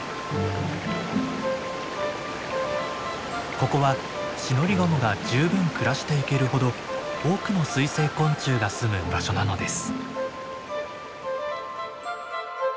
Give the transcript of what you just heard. ここはシノリガモが十分暮らしていけるほど多くの水生昆虫がすむ場所なのです。